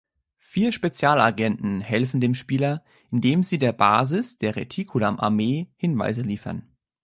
Vier Spezialagenten helfen dem Spieler, indem sie der Basis der Reticulan-Armee Hinweise liefern.